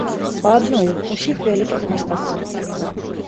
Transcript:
Па адной усіх вялікіх мастакоў.